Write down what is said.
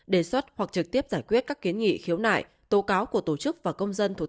đề xuất hoặc trực tiếp giải quyết các kiến nghị khiếu nại tố cáo của tổ chức và công dân thuộc